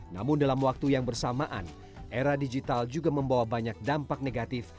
namun dalam waktu yang bersamaan era digital juga membawa banyak dampak negatif